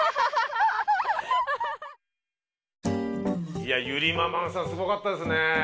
いやゆりママんさんすごかったですね。